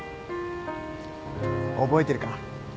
覚えてるか？